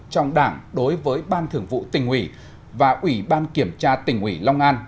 trong đảng đối với ban thường vụ tình hủy và ủy ban kiểm tra tình hủy long an